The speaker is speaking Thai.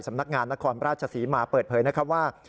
สำนักงานนครราชสีมาเปิดเผยนะครับว่า